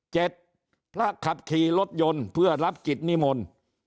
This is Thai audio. พระขับขี่รถยนต์เพื่อรับกิจนิมนต์